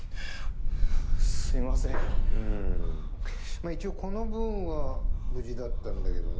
まあ一応この分は無事だったんだけどね。